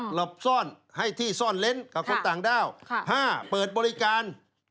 หลับซ่อนให้ที่ซ่อนเล้นกับคนต่างด้าว